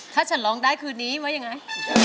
ถ้าฉันร้องได้คืนนี้ไว้ยังไง